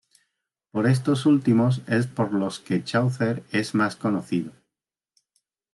Por estos últimos es por los que Chaucer es más conocido.